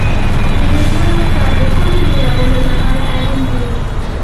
د میرمنو کار د سولې جوړولو لپاره اړین دی.